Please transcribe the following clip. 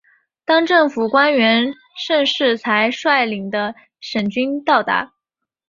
当政府官员盛世才率领的省军到达。